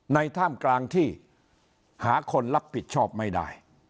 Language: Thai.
ท่ามกลางที่หาคนรับผิดชอบไม่ได้